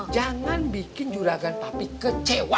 jangan bikin juragan tapi kecewa